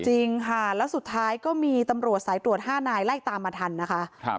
จริงค่ะแล้วสุดท้ายก็มีตำรวจสายตรวจ๕นายไล่ตามมาทันนะคะ